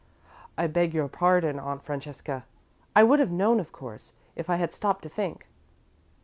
"I beg your pardon, Aunt Francesca. I would have known, of course, if I had stopped to think."